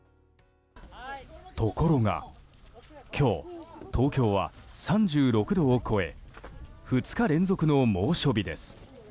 ところが今日東京は３６度を超え２日連続の猛暑日です。